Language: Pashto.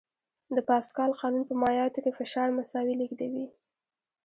د پاسکال قانون په مایعاتو کې فشار مساوي لېږدوي.